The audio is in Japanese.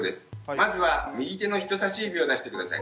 まずは右手の人さし指を出して下さい。